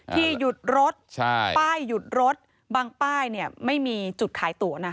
ที่หยุดรถป้ายหยุดรถบางป้ายไม่มีจุดขายตัวนะ